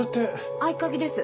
合鍵です。